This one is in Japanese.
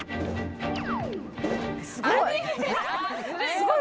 すごい！